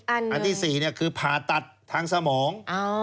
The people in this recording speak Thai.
อันที่๔คือผ่าตัดทางสมอง